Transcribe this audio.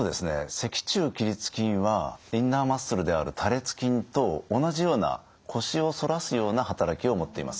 脊柱起立筋はインナーマッスルである多裂筋と同じような腰を反らすような働きを持っています。